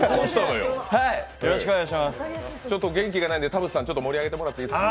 ちょっと元気がないので、田渕さん、盛り上げていただいていいですか？